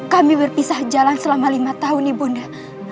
kami berpisah jalan selama lima tahun ibu nda